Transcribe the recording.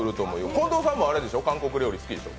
近藤さんも韓国料理、好きでしょ？